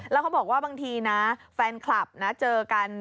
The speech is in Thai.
แล้วเขาบอกว่าบางทีนะแฟนคลับนะเจอกัน